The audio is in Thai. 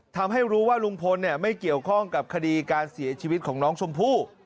ทำให้รู้ว่าลุงพลไม่เกี่ยวข้องกับคดีการเสียชีวิตของน้องชมพู่